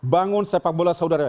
bangun sepak bola saudara